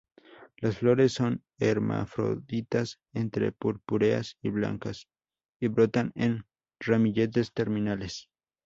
Las flores son hermafroditas, entre purpúreas y blancas, y brotan en ramilletes terminales.